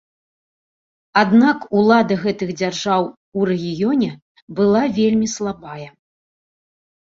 Аднак улада гэтых дзяржаў у рэгіёне была вельмі слабая.